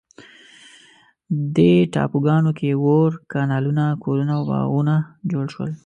دې ټاپوګانو کې اور، کانالونه، کورونه او باغونه جوړ شول.